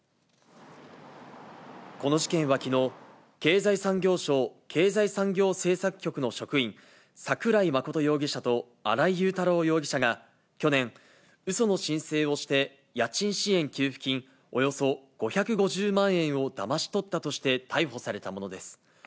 この事件はきのう、経済産業省経済産業政策局の職員、桜井真容疑者と新井雄太郎容疑者が去年、うその申請をして家賃支援給付金、およそ５５０万円をだまし取ったとして逮捕されたものです。